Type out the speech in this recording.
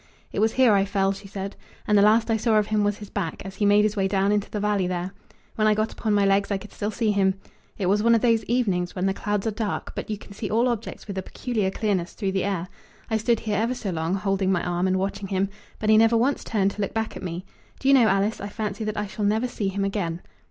"It was here I fell," she said; "and the last I saw of him was his back, as he made his way down into the valley, there. When I got upon my legs I could still see him. It was one of those evenings when the clouds are dark, but you can see all objects with a peculiar clearness through the air. I stood here ever so long, holding my arm, and watching him; but he never once turned to look back at me. Do you know, Alice, I fancy that I shall never see him again."